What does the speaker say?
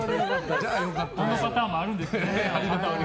このパターンもあるんですね。